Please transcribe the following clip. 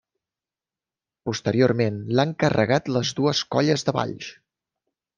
Posteriorment l'han carregat les dues colles de Valls.